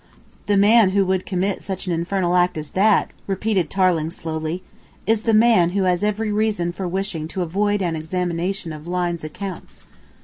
"The man who would commit such an infernal act as that," repeated Tarling slowly, "is the man who has every reason for wishing to avoid an examination of Lyne's accounts."